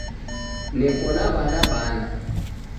Neko na w'ana bana